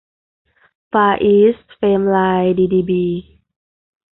ฟาร์อีสท์ เฟมไลน์ ดีดีบี